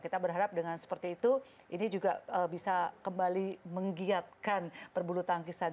kita berharap dengan seperti itu ini juga bisa kembali menggiatkan perbulu tangkisan